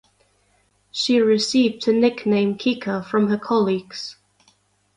She received her nickname "Kika" from her colleagues.